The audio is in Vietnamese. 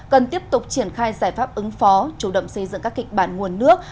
cần tiếp tục triển khai giải pháp ứng phó chủ động xây dựng các kịch bản nguồn nước